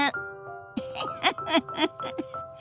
フフフフフフ。